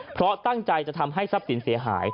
เพราะตั้งใจจะทำให้ทรัพย์สินเสียหาย